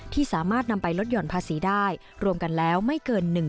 ที่สามารถนำไปลดหย่อนภาษีได้รวมกันแล้วไม่เกิน